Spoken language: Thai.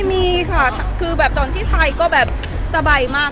มีค่ะคือแบบตอนที่ไทยก็แบบสบายมาก